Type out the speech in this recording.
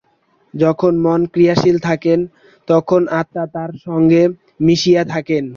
যখন মন ক্রিয়াশীল থাকে, তখন আত্মা তার সঙ্গে মিশিয়া থাকেন।